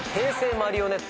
マリオネット。